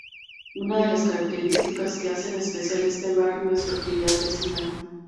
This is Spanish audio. Una de las características que hacen especial este barrio es su actividad vecinal.